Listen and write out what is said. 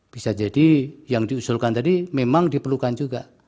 bisa jadi yang diusulkan tadi memang diperlukan juga